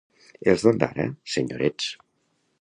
Els d'Ondara, senyorets.